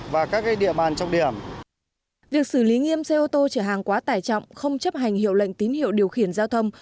việc xử lý nghiêm xe ô tô chở hàng quá tải trọng không chấp hành hiệu lệnh tín hiệu điều khiển giao thông